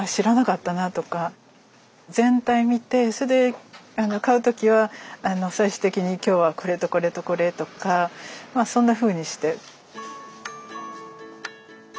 全体見てそれで買う時は最終的に今日はこれとこれとこれとかまあそんなふうにして。